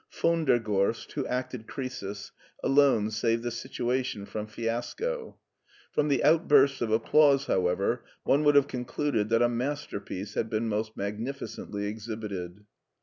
Von der Gorst, who acted Croesus, alone saved the situation from fiasco. From the outbursts of applause, however, one would have concluded that a masterpiece had been most magni ficently exhibited.